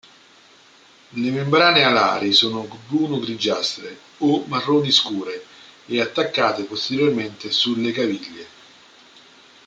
Le membrane alari sono bruno-grigiastre o marroni scure e attaccate posteriormente sulle caviglie.